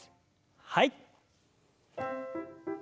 はい。